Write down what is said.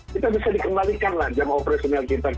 kita bisa dikembalikan lah jam operasional kita